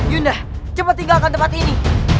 yunda coba tinggalkan tempat ini